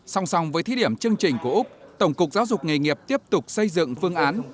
song song với thí điểm chương trình của úc tổng cục giáo dục nghề nghiệp tiếp tục xây dựng phương án